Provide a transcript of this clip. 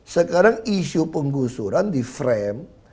sekarang isu penggusuran di frame